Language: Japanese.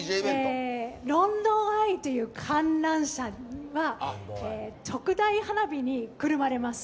ロンドン・アイという観覧車は特大花火にくるまれます。